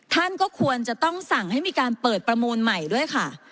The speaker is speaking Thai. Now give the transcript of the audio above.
ท่านก็ควรจะต้องสั่งให้มีการเปิดประมูลใหม่ด้วยค่ะ